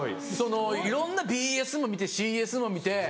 そのいろんなＢＳも見てＣＳも見て。